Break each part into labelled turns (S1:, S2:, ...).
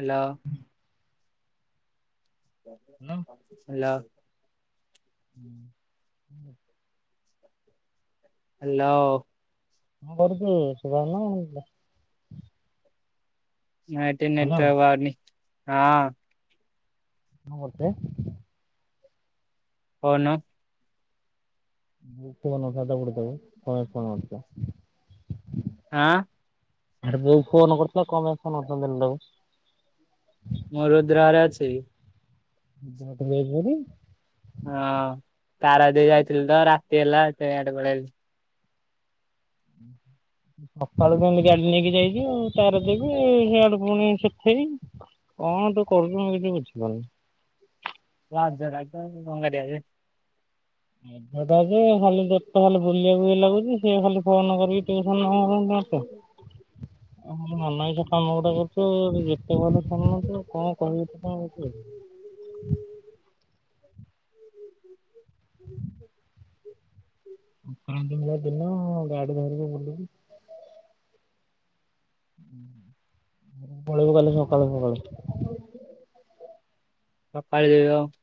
S1: Hello.
S2: [inaudible]
S1: Hello.
S2: ହୁଁ।
S1: Hello.
S2: ମୁଁ କରିଥିଲି ଶଭ ନଥିଲା।
S1: ନାଇଟି
S2: କଣ
S1: ନଟ ହଁ।
S2: ମୁଁ ଏତେ
S1: ହନୁ।
S2: ଷଟ ପଡିଥାବ ପ ପଣ ବର୍ଷ।
S1: ହଁ।
S2: ଆରେୋଉ ଫୋନ କରୁଥିଲା କଣ ପାଇଁ ଫୋ କର ଦେବାକୁ।
S1: ମୋ ରଦ୍ର ରେ ଅଛି।
S2: [unintelligible]
S1: ହଁ ତାରାଦ ଯାଇଥିଲି ତ ରାତି ହେଲା ସେ ଆଡେ ପଳେଇ
S2: ଉଁ ହୁଁ। ସକାଳୁ କେମିତି ଗାଡି ନେଇକି ଯାଇଛିି ଆଉ ତାର ଦେବି ସେଇଆଡକୁ ପୁଣି ସେଠେଇବି। କଣ ତୁ କରୁଛୁ ମୁଁ କିଛି ବୁଝିପାରୁନି।
S1: ହ ଜମ ମଙ୍ଗାରିଆ।
S2: ଅଧଟା ଯେ ଖାଲିୋଟ ଖାଲି ବୁଲିବାକୁ ହଇ ଲାଗୁଛି ସଏ ଖାଲି ଫୋନ କରିକି ଟିକେ
S1: ହ ହୁଁ।
S2: [inaudible] ଆଉ ମନାାଇଛ କାମ ଗୁଡା କରିଛୁ ଯେତେବେ କରୁଛୁ କଣ କହିବି ତ କଣ? ପାଞ୍ଚ ଦିନା ଦିନ ଗାଡି ଧରିକି ବୁଲିବି। [unintelligible] ଗଲେ ସକାଳୁ ସକାଳୁ।
S1: ସକାଳେ। [unintelligible]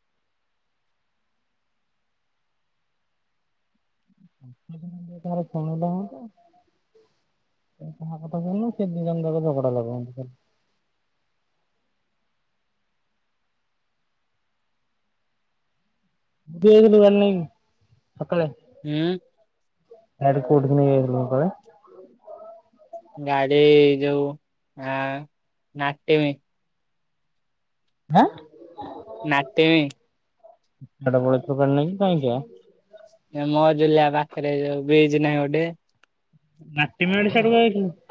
S2: [unintelligible] କାହା କଥା ଶୁଣୁନ ସେ ଦି ଜଣ ଯାକ ଝଗଡା ଲାଗୁଚନ୍ତି। ବେଗ ଦୋକାନ ନାଇ ସକାଳେ
S1: ହୁଁ।
S2: ସିଆଡେ କୋଉଠିି ନେଇ ଆଇ ଥିଲୁ ତଳେ।
S1: ଗାଡି ଯୋଉ ଆ ନାଟିମ।
S2: ହାଁ।
S1: ନାଟିମି।
S2: [unintelligible]
S1: ମୋ ଜୁଲିଆ ପାଖରେ ଯୋଉ ବ୍ରିଜ ନାହିଁ ଗୋଟେ।
S2: ନାତିମେଳି [unintelligible]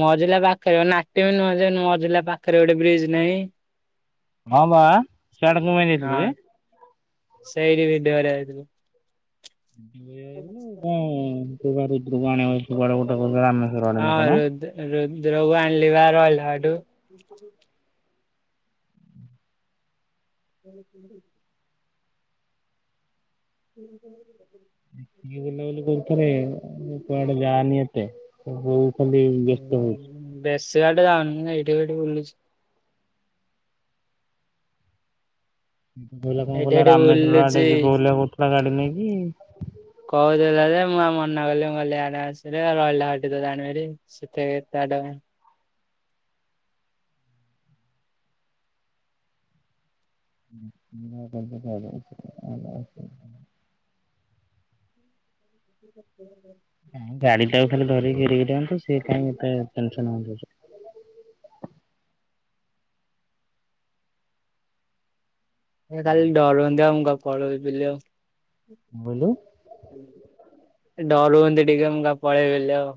S1: ମଜିଲା ପାଖରେ ନାଟି ବି ନୁଆଁଯ ମଜିଲା ପାଖରେ ଗୋଟେ ବ୍ରିଜ୍ ନାହିଁ।
S2: ହଁ ବା ସିଆଡେ କ ପାଇଁ ଯାଇ
S1: ହଁ।
S2: ଥିଲୁ ଯେ?
S1: [unintelligible]
S2: ଆଇଗଉ କଣ ତୁ ପା ରୁଦ୍ର କୁ ଆଣିବା ରାମେଶ୍ଵର ଆଡେ ନା କଣ।
S1: ରୁଦ୍ରକୁ ଆଣିଲି ବା ରହିଲାଠୁ। [inaudible] [inaudible]
S2: ଦେଖିକି ବୁଲାବୁଲି କରୁଥରେ କୁଆଡେ ଯାନି ଏତେ। [unintelligible] ବ୍ୟସ୍ତ ହଉଛୁ।
S1: ବେସି ବାଟେ ଯାଉନି ଏଇଠି ହେଇଠି ବୁଲୁଛି।
S2: କହିଲା କଣ
S1: ଏଇଠି
S2: କହିଲା
S1: ଏଠି
S2: ରାମେଶ୍ୱର ଆଡେ
S1: ବୁଲୁଛି
S2: ଯିବ ବୁଲେ କହୁଥିଲା ଗାଡି ନେଇକି।
S1: କହୁଥିଲା ଯେ ମୁଁ ଆଉ ମନା କଲି ମୁଁ [unintelligible] ସେଠେଗେ ତାଡ
S2: [inaudible]
S1: [inaudible]
S2: ଗାଡି ଟାକୁ ଖାଲି ଧରି ଗିରି ଗିରି ହୁଅନ୍ତୁ ସିଏ କାଇ ଏତେ ଟେନସନ
S1: କାଲି ଡରନ୍ତି ଆଉ ମୁ [unintelligible] ପଳେଇବି ବିଲି ଆଉ।
S2: ବଇଲୁ।
S1: ଡରୁ ହୁଅନ୍ତି ଟିକେ ମୁଁ କାଳେ ପଳେଇବିଲି ଆଉ।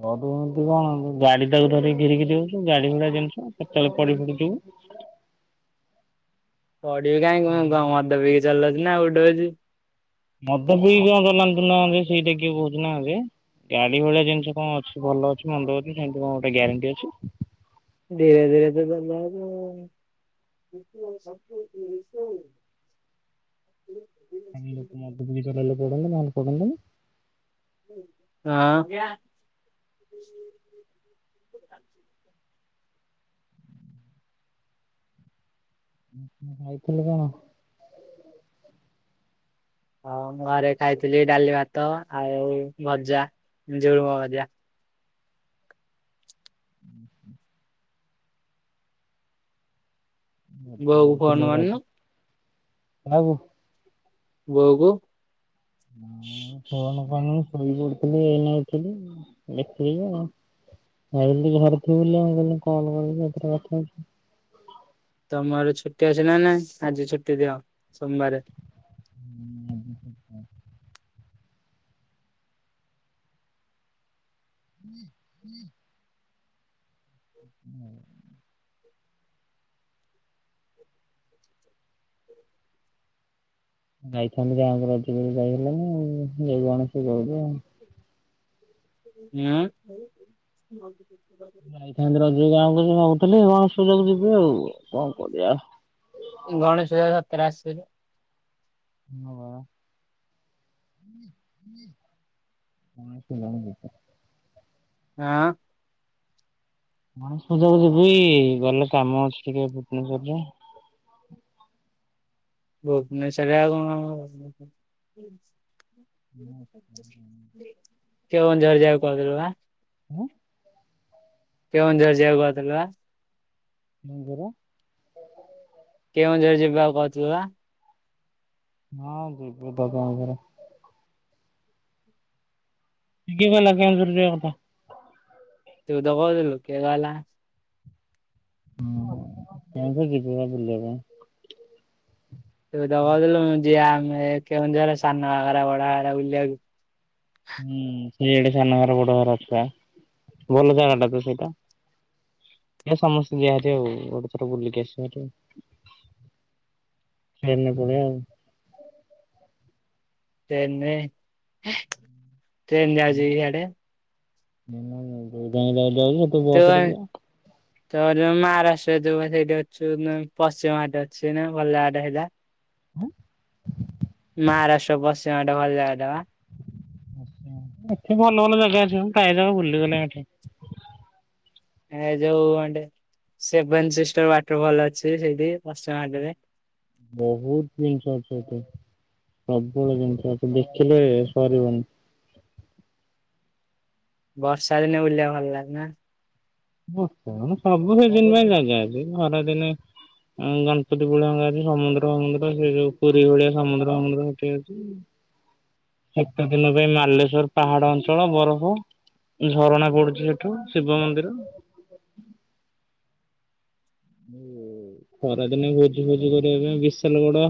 S2: ବହୁତ ତୁ କଣ ଗାଡି ତାକୁ ଧରି ଘିରିିଘିରି ହଉଛୁ ଗାଡି ଗୁଡା ଜିନିଷ କେତେବେଳେ ପଡି ଫଡିଯିବୁ।
S1: ପଡିବି କାହିଁକି କଣ ମଦ ପିଇିକି ଚଲଉ ଚି ନା ଉଡଉଚି।
S2: ମଦ ପି କଣ ଚଲାନ୍ତୁ ନା ସେଇଟା କିଏ କହୁଛି ନାଦେ ଗାଡି ଭଳିଆ ଜିନିଷ କଣ ଅଛି ଭଲ ଅଛି ମନ୍ଦ ଅଛି ସେମିତି କଣ ଗୋଟେ ଗ୍ୟାରେଣ୍ଟି ଅଛି।
S1: ଧୀରେ ଧୀରେ ଚଲଉ [unintelligible] ବ [unintelligible]
S2: ଖାଲି ଲୋକ ମଦ ପିଇକି ଚଲେଇଲେ ପଡନ୍ତି ନହେଲେ ପଡନ୍ତନି।
S1: ହଁ। [inaudible] [inaudible]
S2: ଖାଇଥିଲ କଣ?
S1: ଆଉ ମୁଁ ଘରେ ଖାଇଥିଲି ଡାଲି ଭାତ ଆଉ ଭଜା ଝୁଳୁମ ଭଜା।
S2: [inaudible]
S1: ବଉ ଫନ ଆଣିନ।
S2: ଆଉ।
S1: ବଉକୁ।
S2: ଫନ କଣ ଶୋଇ ପଡୁଥିଲି ଏଇ ନେ ଉଠିଲି ଦେଖିନି ଆଉ। ଆଇଲି ଘରକୁ ବୋଲି ମୁଁ କହିଲି କଲ [unintelligible]
S1: ତମର ଛୁଟି ଅସ ନା ନା ଆଜି ଛୁଟି ଦିଅ ସୋମବାର
S2: ହୁଁ ହୁଁ ହୁଁ ହଁ ଯାଇଥାନ୍ତି ଗାହାଙ୍କ ଅଧିକ ଯାଇ ହେଲେ ମୁ ଏଇ କଣ ସେ କହୁଛୁ ଆଉ [inaudible]
S1: ହୁଁ [unintelligible]
S2: ଯାଇଥାନ୍ତି ରଜ ଗାଁକୁ ସେ ଭାବୁଥିଲି କଣ ସୁଯୋଗ ଯିବି ଆଉ କଣ କରିବା।
S1: ଗଣେଶଜ ସତରେ ଆସିବ [inaudible]
S2: ହଁ ବା ହଁ ସେିଲ ଯ [unintelligible]
S1: ହଁ
S2: ହଁ ସୁଧକୁ ଯିବି ଗଲେ କାମ ଅଛି ଟିକେ ଭୁବନେଶ୍ୱରରେ
S1: ଭୁବନେଶ୍ଵର ଆଉ କଣ କେଉଁଝର ଯିବାକୁ କହୁଥିଲୁ ବା?
S2: ହଁ
S1: କେଉଁଝର ଯିବାକୁ କହୁଥିଲୁ ବା?
S2: ନଙ୍ଗର [inaudible]
S1: କେଉଁଝର ଯିବାକୁ କହୁଥିଲୁ ବା?
S2: ହଁ ଯିବୁ ଦଗା ଘରେ କିଏ କହିଲା କେଉଁଝର ଯିବା କଥା?
S1: ତ ଦଗଥିଲଲୁ କେଏ ଗଲା [unintelligible]
S2: ହୁଁ କେମତି ଯିବ ବୁଲିବାପାଇଁ।
S1: ତୁ ଦବା ଦେଲୁ ଯିଆ ଆମେ କେତି ସାନ ହରା ବଡଘରା ବୁଲିବାକୁ।
S2: ହୁଁ ସେଇଆଡେ ସାନ ଘଗରା ବଡ ଘଗରା ଅଛିପା। ଭଲ ଜାଗା ଟା ତ ସେଇଟା। ସମସ୍ତେ ଯିଆନ୍ତି ଆଉ ଗୋଟେ ଛୋଟ ବୁଲିକି ଆସିବାକୁ। ଫେରିଲା ପରେଆଉ।
S1: ଟ୍ରେନରେ ଟ୍ରେନ ଯାଉଛି ଇଆଡେ।
S2: ତେ ବସର ପ [inaudible]
S1: ତ ଯ ମହାରାଷ୍ଟ୍ର ଯୋ ସେଇଠି ଅଛୁ ପଶ୍ଚିମ ହାଟେ ଅଛି ନା ଭଲ ହାଟ ସେଇଟା।
S2: ଆଁ
S1: ମହାରାଷ୍ଟ୍ର ପଶ୍ଚିମ ଘାଟ ଭଲ ଜାଗାଟା ପା।
S2: ଏଠି ଭଲ ଭଲ ଜାଗା ଅଛି ମୁ ଯା ଯା ବୁଲିଗଲେ ଏଠି।
S1: ଏ ଯୋଉେ ସେଭେନ୍ ସିଷ୍ଟର ୱାଟରଫଲ ଅଛି ସେଇଠି ପଶ୍ଚିମ ଘାଟରେ।
S2: ବହୁତ ଜିନିଷ ଅଛ ସେଠୀ। ସବୁବେଳେ ଜିନିଷ ଆ ଦେଖିଲେ ସରିବନି।
S1: ବର୍ଷା ଦିନେ ଉୁଲେଇବା ଭଲ ଲାଗେ ନା।
S2: ସବୁ ସେଦିନ ପାଇଁ ଯାଗା ଅଛି ଖରାଦିନେ ଗଣପତି ପୂଳିଙ୍କଛି ସମୁଦ୍ର ସମୁ୍ର ସେ ଯୋଉ ପୁରୀ ଭଳିଆ ସମୁଦ୍ର ଅଙ୍ଗୁ୍ର ସେଠ ହଁ। ସତଦିନ ପାଇଁ ବାଲେଶ୍ଵର ପାହାଡ ଅଞ୍ଚଳ ବରଫ ଝରଣା ପଡୁଛି ସେଠୁ ଶିବ ମନ୍ଦିର ଖରାଦିନେ ଭୋଜି ଭୋଜି କରିବା ପାଇଁ ବିଶାଲ ଗଡ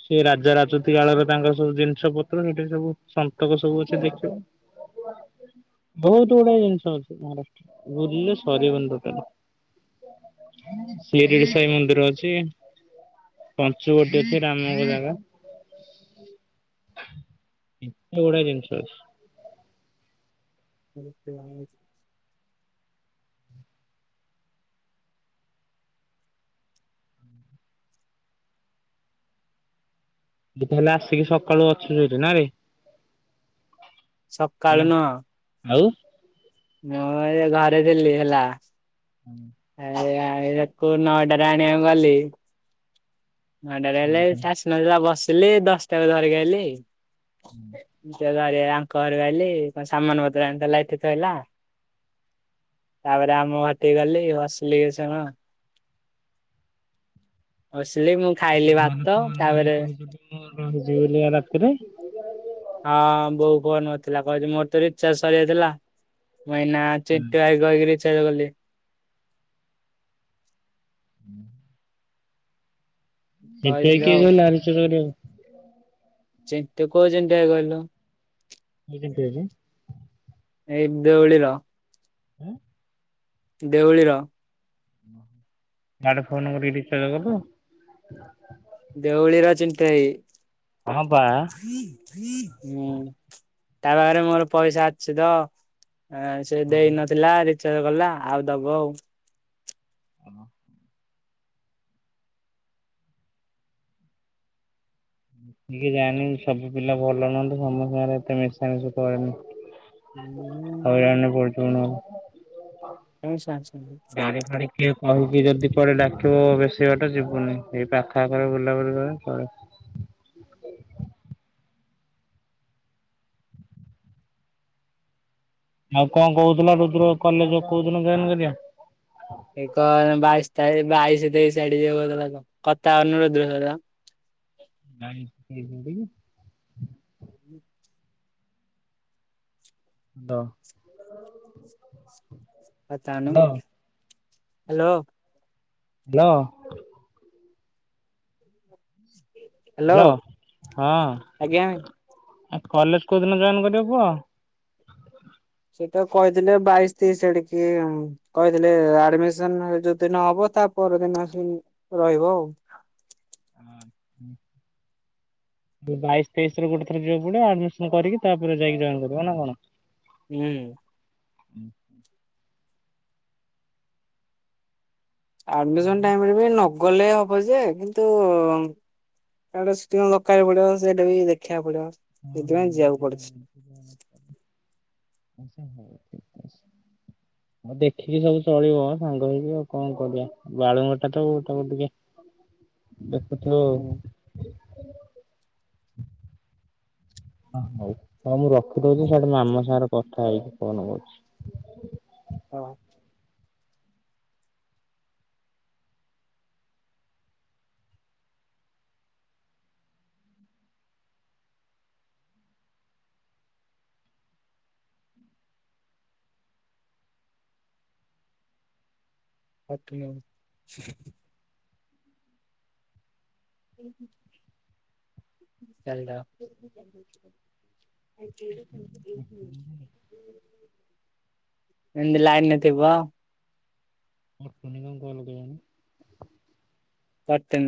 S2: ସେ ରାଜା ରାଜତି କାଳରେ ତାଙ୍କ ସବୁ ଜିନିଷ ପତ୍ର ସେଠି ସବୁ ସନ୍ତକ ସବୁ ଅଛି ଦେଖିବ ବହୁତ ଗୁଡାଏ ଜିନିଷ ଅଛି ମହାରାଷ୍ଟ୍ର ବୁଲିଲେ ସରିବନ ରଟ ଶିରିଡି ସାଇ ମନ୍ଦିର ଅଛି ପଞ୍ଚ ଗ ଅଛି ରାମନ ଜାଗା। ଏତେ ଗଢଡଆ ଜିନିଷ ଅଛି।
S1: ଆ।
S2: ତାହେଲେ ଆସିକି ସକାଳୁ ଅଛୁ ସେଠି ନା ରେ।
S1: ସକାଳ
S2: ହେଲା
S1: ନ
S2: ଆଉ।
S1: ମୁଁ ଏ ଘରେ ଥିଲି ହେଲା
S2: ହୁଁ।
S1: ଆ ଆଣି ତାକୁ ନଅଟାରେ ଆଣିବାକୁ ଗଲି ଘଣ୍ଟାଟେ ହେଲେ
S2: କଣ
S1: ସେ ଆସିନଥିଲା ବସିଲି ଦଶଟା ବେ ଧରିକି ଆଇଲି।
S2: [inaudible]
S1: [unintelligible] ଘରେ ଆଙ୍କ ଘରେ ଆଇଲି କଣ ସାମାନପତ୍ର ଆଣି ଥିଲା ଏଠି ଥୋଇଲା। ତାପରେ ଆମ ଘଟିକି ଗଲି ବସିଲି କିଛି ସମୟ ଶିଲି ମୁଁ ଖାଇଲି ଭାତ ତାପରେ
S2: [unintelligible] ରାତିରେ
S1: ହଁ ବୋଉ ଫୋନ୍ କରିଥିଲା କହିଲି ମୋର ତ ରିଚାର୍ଜ ସରିଯାଇଥିଲା ମୁଁ ଏଇନା ଚିଣ୍ଟୁ ଭାଇ କୁ କହିକି ରିଚାର୍ଜ କଲି।
S2: [inaudible] [unintelligible]
S1: କହିଥିଲୁ
S2: କହିଲା
S1: ଆଉ
S2: ରଚାର୍ଜ କରିବାକୁ।
S1: ଚିଣ୍ଟୁ କୋଉ ଚିଣ୍ଟୁ ଭାଇ କହିଲ?
S2: [unintelligible]
S1: ଏଇ ଦେଉଳିର
S2: [inaudible]
S1: ଦେଉଳିର।
S2: [unintelligible] ଫୋନ କରିକି ରିଚାର୍ଜ କଲୁ। [inaudible]
S1: ଦେଉଳିର ଚିଣ୍ଟୁ ଭାଇ।
S2: ହଁ ବା
S1: ହୁଁ ତା ପାଖରେ ମୋର ପଇସା ଅଛି ତ। ସେ ଦେଇ ନଥିଲା ରିଚାର୍ଜ କଲା ଆଉ ଦବ ଆଉ।
S2: [inaudible] ଟିକେ ଜାଣିନି ସବୁ ପିଲା ଭଲ ନୁହନ୍ତି ସମସ୍ତଙ୍କରେ ଏତେ ମିଶାମିଶି କରେନି।
S1: ହୁଁ
S2: ହଇରାଣ ରେ ପଡିଛି [unintelligible]
S1: [unintelligible]
S2: ପାଣି ଫାଣୀ କିଏ କହିକି ଯଦି କୁଆଡେ଼ ଡାକିବ ବେଶୀ ବାଟ ଯିବୁନି ଏଇ ପାଖଆଖରେ ବୁଲାବୁଲି କଲେ ଚଳିବ। ଆଉ କଣ କହୁଥିଲ ରୁଦ୍ର କଲେଜ କୋଉ ଦିନ ଜଏନ୍ କରିବା।
S1: ଏକଇ ବାଇଶି ତାରିଖ ବାଇଶି ତେଇଶି ଆଡ଼କୁ ଯିବ କହିଥିଲା ତ କଥା ହୋଉନୁ ରୁଦ୍ର ସହିତ
S2: ନାଇଁ କି [unintelligible]
S1: [inaudible]
S2: ତ [unintelligible]
S1: କଥା ହୋଉନୁ ହ୍ୟାଲୋ
S2: ହ୍ୟାଲୋ
S1: [inaudible]
S2: ହ୍ୟାଲୋ
S1: ଆଜ୍ଞା।
S2: ହଁ କଲେଜ କୋଉ ଦିନ ଜଏନ୍ କରିବ କୁହ।
S1: ସିଏତ କହିଥିଲେ ବାଇଶି ତେଇଶି ଆଡଡିକି କହିଥିଲେ ଆଡମିସନ ଯୋଉ ଦିନ ହବ ତା ପର ଦିନ ଆସିଵା ରହିବ ଆଉ।
S2: [inaudible] ବାଇଶ ତେଇଶ ର ଗୋଟେ ଥର ଯିବାକୁ ପଡିବ ଆଡମିସନ କରିକି ତାପରେ ଯାଇକି ଜଏନ୍ କରିବ ନା କଣ।
S1: ହୁଁ
S2: [inaudible]
S1: ଆଡମିସନ ଟାଇମରେ ବି ନଗଲେ ହବ ଯେ କିନ୍ତୁ ତାଟେ ଦରକୁ ପଡିବ ସେଇଟା ବି ଦେଖିବାକୁ ପଡିବ ସେଥିପାଇଁ ଯିବାକୁ ପଡୁଛି
S2: [inaudible] ଆଉ ଦେଖିକି ସବୁ ଚଳିବ ସାଙ୍ଗ ହେଇକି ଆଉ କଣ କରିବା, ବାଳୁଙ୍ଗା ଟା ତ ତା ତାକୁ ଟିକେ ଦେଖୁଥିବ। ହଉ ହଁ ମୁଁ ରଖିଦଉଛି ସେଠି ମାମା ସାଙ୍ଗରେ କଥା ହେଇକି ଫୋନ କରୁଛି।
S1: ହଉ। [unintelligible] ଓହୋ। ଚାଲଦ [unintelligible] ଏମିତି ଲାଇନ୍ ରେ ଥିବ?
S2: ପତୁନି କଣ କଲ କଲାଣି?
S1: Part time